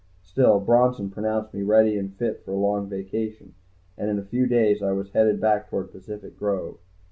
Still, Bronson pronounced me ready and fit for a long vacation, and in a few days I was headed back toward Pacific Grove.